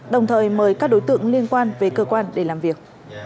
đồng thời mời các đối tượng liên quan về cơ quan để làm việc